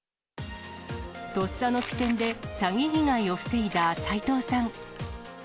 とっさの機転で詐欺被害を防いだ齋藤さん。